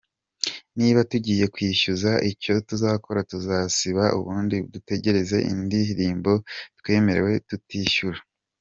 Niba tugiye kwishyuzwa icyo tuzakora tuzazisiba ubundi dutegereze indirimbo twemerewe tutishyura.